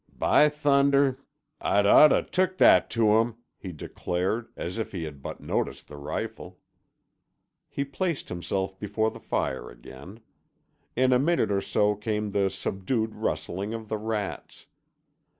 "By thunder, I'd oughto took that to 'em," he declared—as if he had but noticed the rifle. He placed himself before the fire again. In a minute or so came the subdued rustling of the rats.